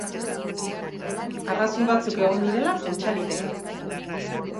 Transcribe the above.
Arrazoi batzuk egon direla pentsa liteke.